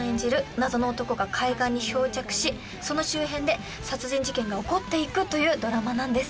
謎の男が海岸に漂着しその周辺で殺人事件が起こっていくというドラマなんです。